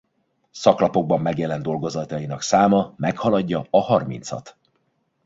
Szaklapokban megjelent dolgozatainak száma meghaladja a harmincat.